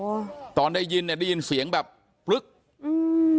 ตอนได้ยินเนี้ยได้ยินเสียงแบบปลึ๊กอืม